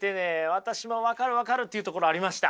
私も分かる分かるっていうところありました。